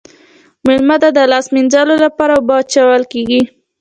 میلمه ته د لاس مینځلو لپاره اوبه اچول کیږي.